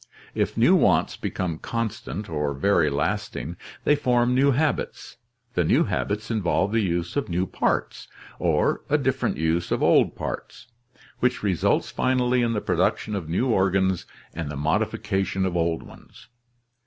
If new wants become constant or very lasting, they form new habits, the new habits involve the use of new parts, or a different use of old parts, which results finally in the production of new organs and the modification of old ones.